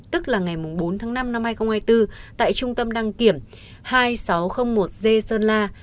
tức là ngày bốn tháng năm năm hai nghìn hai mươi bốn tại trung tâm đăng kiểm hai nghìn sáu trăm linh một d sơn la